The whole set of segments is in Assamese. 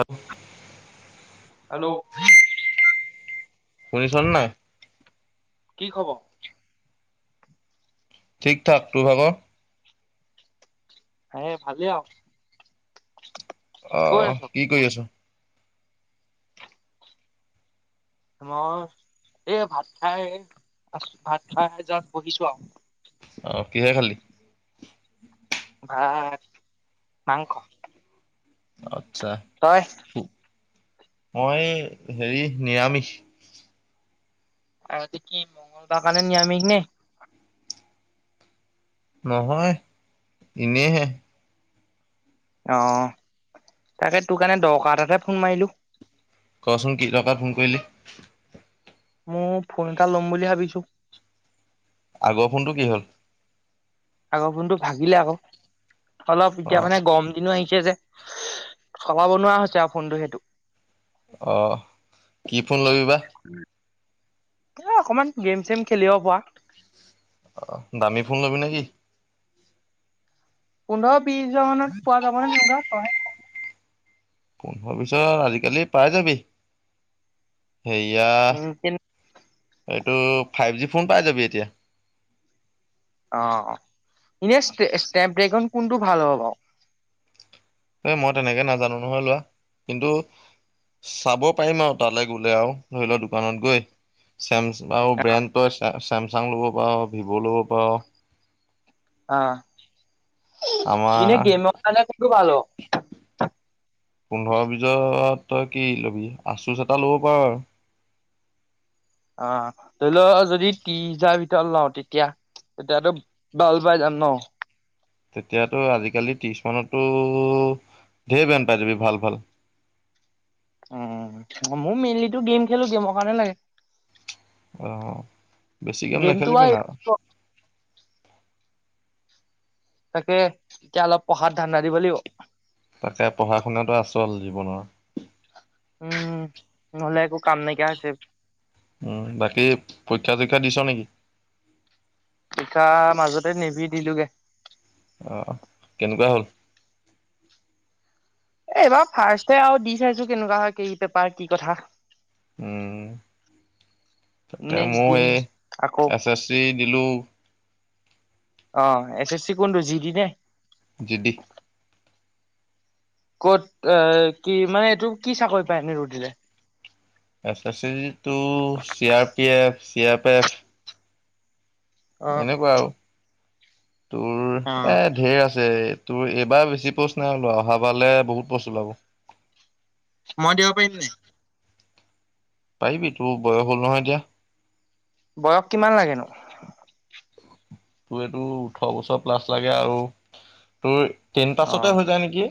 অ [inaudible] হেল্ল' শুনিছন নাই কি খবৰ ঠিক ঠাক তোৰ ভাগ হ ভালেই আহ অ কি কৰি আছ মই এই ভাত খাই ভাত খাই জাচ বহিছো আৰু অহ কিহে খালি? ভাত মাংস অ [inaudible] আচ্ছা তই মই হেৰি নিৰামিষ অ আজি কি মংগল বাৰ কাৰণে নিৰামিষ নে? নহয় এনেহে অ তাকে তোৰ কাৰণে দৰকাৰটাতেে ফোন মাৰিলো কচোন কি দৰকাৰট ফোন কৰিলি। মোৰ ফোন এটা ল'ম বুলি ভাবিছো আগৰ ফোনটো কি হ'ল আগৰ ফোনটো ভাগিলে আকৌ অলপ এতিয়া অহ মানে গৰম দিনো আহিছে যে চলাব নোৱাৰ হৈছে আৰু ফোনটো সেইটো আহ কি ফোন লবি বা এ অকমান গেম চেম খেলিব পৰা অ দামী ফোন ল'বি নেকি? পোন্ধৰ ত্ৰিছ হাজাৰ মানত পোৱা যাব নে তেনেকুৱা? হয়। পোন্ধৰ বিশত আজিকালি পাই যাবি। সেয়া উম, তেন- এইটো, ফাইভ জি ফোন পাই যাবি এতিয়া। অ'! অ'! অ'! [unintelligible] ড্ৰেগন। কোনটো ভাল হ'ব বাৰু? এ, মই তেনেকে নাজানো নহয় লোৱা। কিন্তু, চাব পাৰিম আৰু তালৈ গ'লে আৰু ধৰি লোৱা দোকানত গৈ। চেমচং ব্ৰেণ্ডটো চাই আছে। চেমচাং ল'ব পাওঁ, ভিভ' ল'ব পাওঁ। অ'! [unintelligible] আমাৰ ইনে গেম কাৰনে কোনটো ভাল হ'ব? পোন্ধৰ বিশত তই কি লবি? আচুচ এটা ল'ব পাৰ আৰু। অ'! ধৰি লওঁ যদি ত্ৰিছ হজাৰ ভিতৰত লওঁ। তেতিয়া, তেতিয়াতো [unintelligible] যাম ন'। তেতিয়াতো আজিকালি, ত্ৰিছ মানতো ধেৰ ব্ৰেণ্ড পাই যাবি। ভাল, ভাল। উম, মই মেইনলিটো গেম খেলোঁ। গেমৰ কাৰণে লাগে। অ'! বেছি গেম গেমটো নেখেলিবি আৰু না। তাকে, এতিয়া অলপ পঢ়াত ধান্দা দিব লাগিব। তাকে পঢ়া শুনাতটো আচল জীৱনৰ। উম, নহ'লে একো কাম নাইকিয়া হৈছে। উম, বাকী পৰীক্ষা চৰীক্ষা দিছা নেকি? নিশা মাজতে নেভি দিলোগে। অ'! কেনেকুৱা হ'ল? এইবাৰ ফাৰ্ষ্টে আৰু দি চাইছোঁ কেনেকুৱা হয়, কি পেপাৰ, কি কথা। উম, তাকে নেক্সট মই দিম। সেই আকৌ এছ এছ চি দিলোঁ। অ'! এছ এছ চি কোনটো যি দি নে? যিদি। ক'ত এ, কি মানে, এইটো কি চাকৰি পায়? এনেই আৰু দিলে! এছ এছ চিটো C R P F C app F. অ এনেকুৱা অ'। আৰু তোৰ এ, অ', ধেৰ আছে। তোৰ এইবাৰ বেছি পষ্ট নাই ওলোৱা। অহা বাৰলে বহুত পোষ্ট ওলাব। মই দিব পাৰিম নি? পাৰিবি তোৰ বয়স হ'ল নহয় এতিয়া। বয়স কিমান লাগেনো? তোৰটো ওঠৰ বছৰ প্লাছ লাগে আৰু তোৰ টেন পাছতে অ', হৈ যায় নেকি!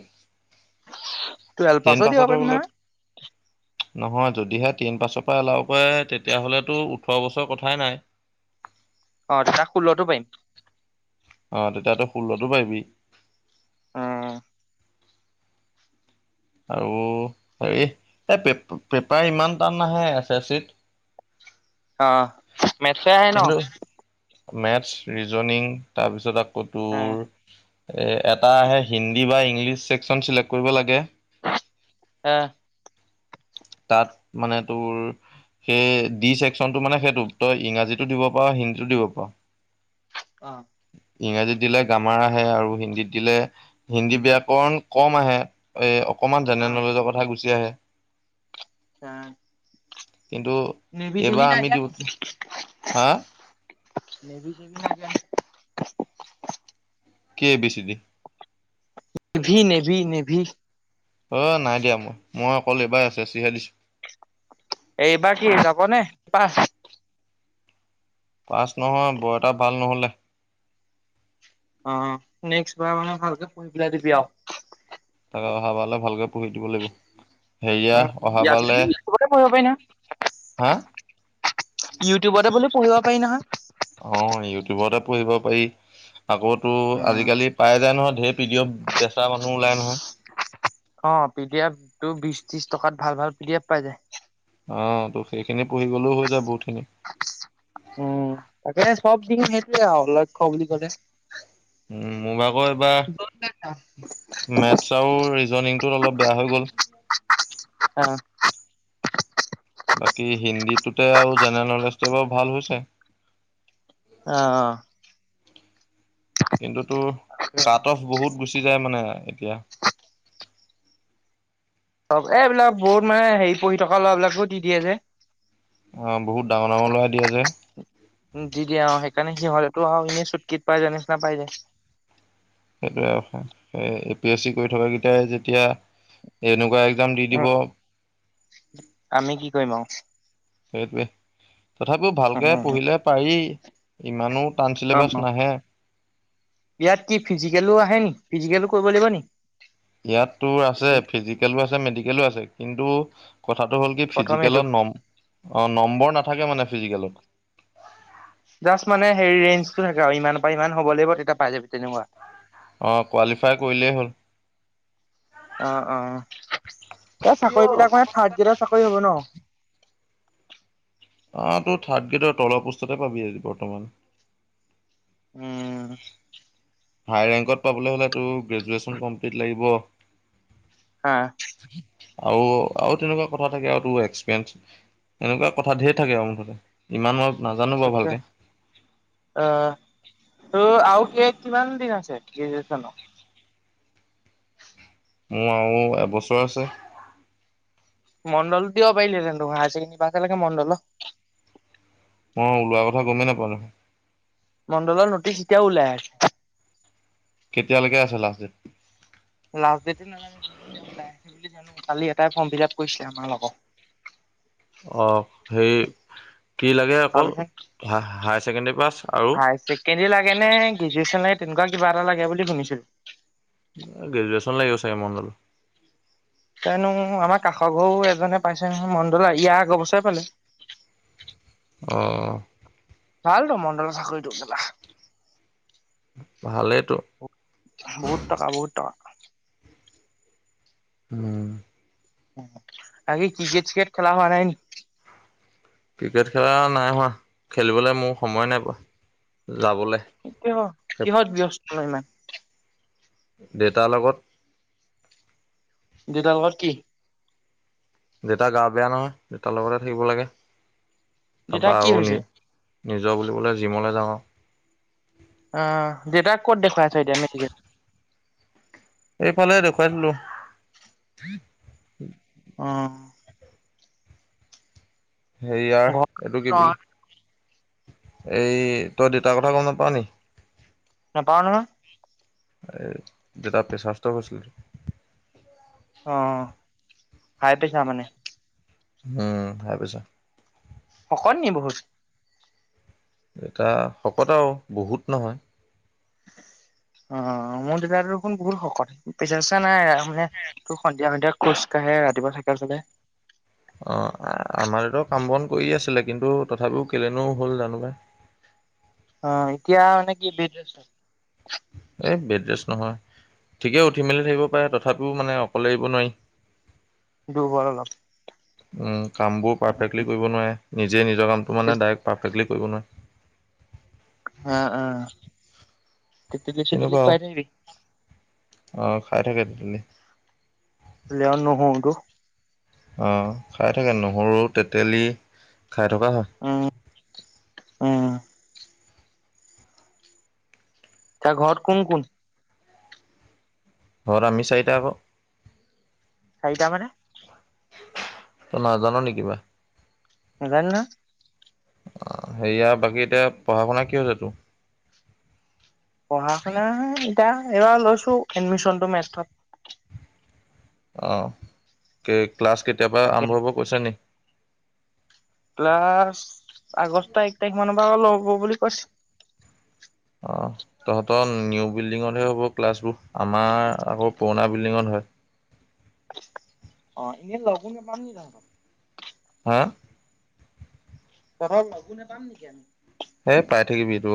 টুৱেলভ পাছো টেন দিব পাছতে পাৰিম হ'লে নহয়। নহয়, যদিহে টেন পাছৰ পৰা এলাও কৰে, তেতিয়াহলেতো ওঠৰ বছৰ কথাই নাই। অ তেতিয়া ষোল্লতো পাৰিম। অ, তেতিয়াটো ষোল্লটো পাৰিবি। উম আৰু হেৰি এই পে পেপাৰ ইমান টান নাহে এছ এছ চিত। অ, মেটছে আহে ন? কিন্তু মেথছ, ৰিজনিং তাৰপিছত আ কৌ অ তোৰ এটা আহে হিন্দী বা ইংলিছ ছেকচন চিলেক্ট কৰিব লাগে। আ। তাত মানে তোৰ সেই ডি চেকচনটো মানে সেইটো তই ইংৰাজীতো দিব পাৰ হিন্দীটো দিব পাৰ। অ ইংৰাজীত দিলে গ্ৰামাৰ আহে আৰু হিন্দীত দিলে হিন্দী ব্যাকৰণ কম আহে। এ অকমান জেনেৰেল নলেজৰ কথা গুচি আহে। চ কিন্তু এইবাৰ আমি নি? দিওঁ। হা [unintelligible] কি ভাবিছিলি? Navy, navy, navy. অ, নাই দিয়া মই। মই অকল এইবাৰ এছ এছ চিহে দিছো। এইবাৰ কি যাব নে তপা? [inaudible] পাচ নহয় বৰ এটা ভাল নহলে। অ নেক্সট বাৰ মানে ভালক ক পেলাই দিবি তাকে আৰু অহাবাৰলে ভালকে পঢ়ি দিব লাগিব। হেৰিয়া অহাবাৰলে হা [unintelligible] ইউটিউবতে বুলি পঢ়িব পাৰি নহয়। অ ইউটিউবতে পঢ়িব পাৰি। আকৌ তোৰ অ আজিকালি পায় যায় নহয় ঢেৰ ভি। বেচা মানুহ ওলাই নহয়। অ পি ডি এফ টো বিশ ত্ৰিশ টকাত ভাল ভাল পি ডি এফ পাই যায়। অ ত' সেইখিনি পঢ়ি গ'লেও হৈ যায় বহুত। উম তাকে চবদিন কে আৰু। খ বুলি বুলি ক উম মোৰ ভাগত পা মেথছ আৰু ৰিজনিংটো অলপ বেয়া হৈ গ'ল। অ', বাকী হিন্দীটোতে আৰু জেনেৰেল নলেজটো বাৰু ভাল হৈছে। অ, অ। কিন্তু তটো কাট অফ বহুত। গুচি যায় মানে এতিয়া। চব এইবিলাক বহুত মানে হেৰি পঢ়ি থকা ল'ৰাবলাকো দি দিয়ে যে। আহ বহুত ডাঙৰ ডাঙৰ লৰাাই দিয়া যে। তো এনেই চুটকত পাই যায় নিচিনা পাই যায়। সেইটোে এ পি এছ চি কৰি থকা কেইটাই যেতিয়া এনেকুৱা? এক্জাম দি উ দিব আমি কি কৰিম আৰু। সেইটোৱে? তথাপিও ভালকে উম পঢ়িলে পাৰি। ইমানো? তান চিলেবাছ অ', নাহে। ইয়াত কি ফিজিকেলো আহে নেকি ফিজিকেলো কৰিব লাগিব নেকি? ইয়াততো আছে ফিজিকেলো আছে মেডিকেলো আছে কিন্তু। কথাটো হ'ল কি প্ৰথম এইটো ফিজিকেলত নম অ নম্বৰ ন। থাকে মানে ফিজিকেলত। জাষ্ট মানে হেৰি ৰেঞ্জটো থাকে আৰু ইমান পাই ইমান হ'ব লাগিব তেতিয়া পাই যাবি তেনেকুৱা? অ কোৱালিফাই কৰিলেই হ'ল। অ অ এ চাকৰি বিলাক মানে থাৰ্ড গ্ৰেডৰ চাকৰি হ'ব ন। আহ তো থাৰ্ড গ্ৰেডৰ তলৰ পোষ্ট্ততে পাবি বৰ্তমান। উম ভাই ৰেকত পাবলে টোৰ গেজৱেনচত লাগিব। হা আৰু আৰু তেনেকুৱা কথা থাকে আৰু এক্সপিৰিয়েঞ্চ এনেকুৱা কথা ঢেৰ থাকে আৰু মুঠতে ইমান। নাজানো বাৰু অকে ভালকে আহ ত আৰু কি কিমান দিন আছে কিজছনো? মোৰ আৰু এবছৰ আছে। মণ্ডলো দিব পাৰিলেহেনো হায়াৰ চছেকেণ্ডী পাছকে মণ্ডল। মই ওলোৱা কথা গমেই নাপাল নহয়। মণ্ডলৰ নটিচ এতিয়া ওলাই আছে। কেতিয়ালৈকে আছে লাষ্ট ডেট। লাষ্ট ডেটে নহলেমি কিন্ত যাও লাই বুলি জানো। কালি এটাই ফৰ্ম ফিল আপ কৰিছিলে আমাৰ লগত। অ সে কি লাগে অকল হাই। চেণ্ডী পাছ। আৰু হায় ছেকেণ্ডাৰী লাগে গ্ৰেজুৱেচন লাগে তেনেকুৱা? ভা়া লাগে বুলি শুনিছিলো! গ্ৰেজুেচন লাগিব চাগে মণ্ডল কিয়নো আমাৰ কাষৰ ঘৰু এজনে পাইছে নহয় মণ্ডল ইয়াৰ আগ বছৰে পালে । অ ভাল টো মণ্ডল চাকৰিটো কেলা‌ । ভালেই তো বহুত টকা বহুত টকা উম উ বাকী ক্ৰিকেট চিকেট খেলা হয়? নাই ক্ৰিকেট খেলা নাই হোৱা খেলিবলে মোৰ সময় নাই পোৱা যাবলৈ কিহ কিহত ব্যস্ত, নমান [unintelligible] দেউতা লগত দেউতা ঘৰ কি? দেউতা গা বেয়া নহয়, দেউতাৰ লগতে থাকিব লাগে । দেউতাৰ তাৰপা কি আৰু হৈছে? নি নিজৰ বুলিবোলে জিমলে যাওঁ [unintelligible] আহ দেউতাক ক'ত দেখুৱাই আছ এতিয়া মেডিকেল? এইফালে দেখুৱাই দিলো । অ হেৰিয়াৰ ঘৰত এইটো কি বুলি, নহয় এই তই দেউতাৰ কথা গম নাপাওঁ নি? নাপাওঁ নহয় । দেউতা পেচাৰ ষ্টক হৈছিল। অ হাই পেছাৰ মানে? উম হাই পেছাৰ। শকত নি বহুত? উম [unintelligible] দেউতা শকত আও বহুত । নহয় অ মোৰ দেউতা দেখোন বহুত শকত পেচা চেচা নাই মানে তোৰ সন্ধিয়া সন্ধিয়া খোজ কাঢ়ে ৰাতিপুৱা চাইকেল চলাই। অ আমাৰতো কাম বন কৰিয়ে আছিলে কিন্তু তথাপিও কেলেনো হ'ল জানো পাই? অ এতিয়া মানে কি বেদ ৰেষ্ট। বেড ৰেষ্ট নহয় ঠিকেই উঠি মেলি থাকিব পাৰে তথাপিও মানে অকলে এৰি নোৱাৰি দুৰ্বল অলপ । উম কাম বোৰ পাৰফেক্টলি কৰিব নোৱাৰে । নিজে নিজ নিজৰ কামটো মানে দাইৰেক্ট পাৰফেক্টলি কৰিব ন আহ আহ তেতেলী চেতেলী তেনেকুৱা আৰু খোৱাই থাকিবি, অ খাই থাকা তেতিয়া লে লোৱা নহল তো অ খাই থাকে নহৰু তেতেলী খাই থকা হয় উম, উম, এতিয়া ঘৰত কোন কোন ঘৰত আমি চাৰিটা ক চাৰিটা মানে তই নাজান নে কিবা নেজানো নয় অ সেয়া বাকী এতিয়া পঢ়া শুনা কি হব তোৰ পঢ়া শুনা এতিয়া হেয়া লৈছো এডমিছন টো মেছথত অ কেক ক্লাছ কেতিয়া পা তাকে আৰম্ভ হব কৈছে নি ক্লাছ আগষ্ট এক তাৰিখ মানৰ পৰা লব বুলি কৈছে অ তহঁতৰ নিউ বিল্ডিঙতহে হ'ব ক্লাছবোৰ আমাৰ আকৌ পুৰণা বিল্ডিঙত হয় অ এনেই লগো নাপাম নি তহতক হা তহতক লগো নেপাম নেকি আমি হে পাই থাকিবি তো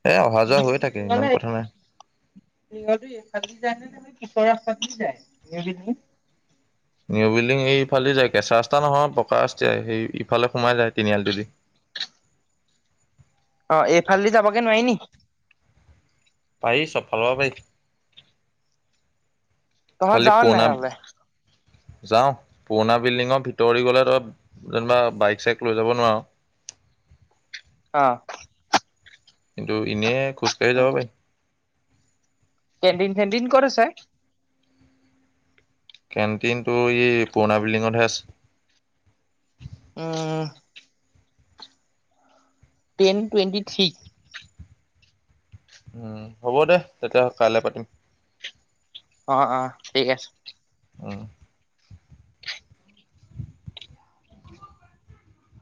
নিউ বিল্ডিঙৰ [unintelligible] এইফালেদি যায় নে কেনেকে পিছৰ ৰাস্তাইদি যায় নিও বিল্ডিংত নিউ বিল্ডিং এই ইফালে যায় কেঁচা ৰাস্তা নহয় পকা ৰাস্তাই সেই ইফালে সোমাই যায় তিনিআলিটোদি অ এইফালেদি যাবাগে নোৱাৰি নি পাই চবফালে পাই তহত যাৱ নাই তালে যাও পুৰণা বিল্ডিঙৰ ভিতৰদি গ'লে তই যেনিবা বাইক চাইক লৈ যাব নোৱাৰ অ কিন্তু এনেই খুজকাঢ়ি যাব পাই কেন্টিন চেণ্টিন কত আছে কেণ্টিনটো ই পুৰণা বিল্ডিঙতহে আছে উম টেন টুৱেণ্টি থ্ৰী উম হ'ব দে তেতিয়ালে কাইলৈ পাতিম অ অ ঠিক আছে উম